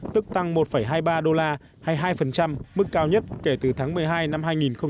tức tăng một hai mươi ba đô la hay hai mức cao nhất kể từ tháng một mươi hai năm hai nghìn một mươi chín